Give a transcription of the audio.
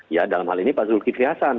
ya dalam hal ini pak zulkifli hasan